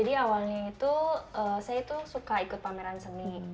dari tahun dua ribu sembilan saya suka ikut pameran seni